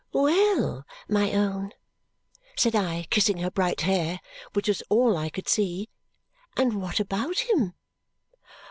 "Well, my own!" said I, kissing her bright hair, which was all I could see. "And what about him?"